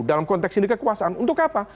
dalam konteks ini kekuasaan untuk apa